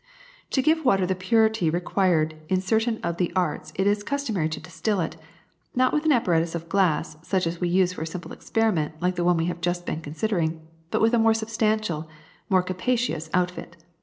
^'To give water the purity required in certain of the arts it is customary to distil it, not with an ap paratus of glass, such as we use for a simple experi ment like the one we have just been considering, but with a more substantial, more capacious outfit.